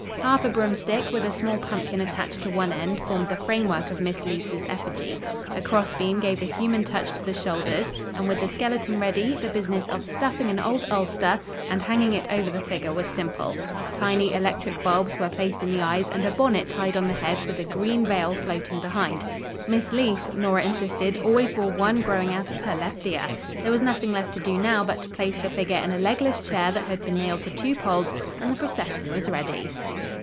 Half a broomstick, with a small pumpkin attached to one end, formed the framework of Miss Leece's effigy. A cross beam gave a human touch to the shoulders and with the skeleton ready, the business of stuffing an old ulster and hanging it over the figure was simple. Tiny electric bulbs were placed in the eyes and a bonnet tied on the head with a green veil floating behind. Miss Leece, Nora insisted, always wore one growing out of her left ear. There was nothing left to do now, but to place the figure in a legless chair that had been nailed to two poles, and the procession was ready.